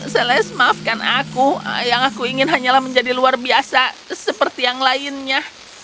seles maafkan aku yang aku ingin hanyalah menjadi luar biasa seperti yang lainnya